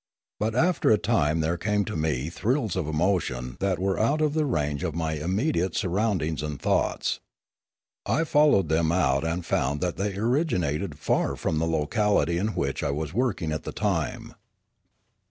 But after a time there came to me thrills of emotion that were out of the range of my immediate surroundings and thoughts. I followed them out and found that they originated far from the locality in which I was working at the time.